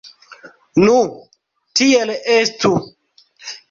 Nu, tiel estu.